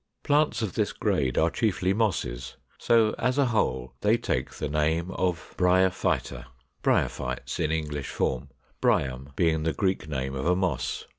Plants of this grade are chiefly Mosses. So as a whole they take the name of 498. =Bryophyta, Bryophytes= in English form, Bryum being the Greek name of a Moss.